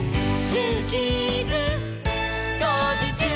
「ジューキーズこうじちゅう！」